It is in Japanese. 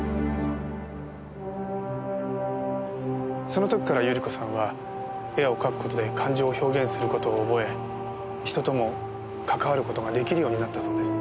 その時から百合子さんは絵を描く事で感情を表現する事を覚え人とも関わる事が出来るようになったそうです。